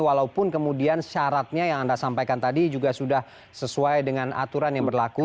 walaupun kemudian syaratnya yang anda sampaikan tadi juga sudah sesuai dengan aturan yang berlaku